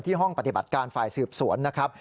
ห้องปฏิบัติการฝ่ายสืบสวนนะครับ